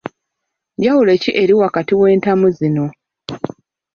Njawulo ki eri wakati w’entamu zino?